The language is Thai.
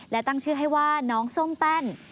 และตั้งชื่อให้ว่าน้องส้มแป้น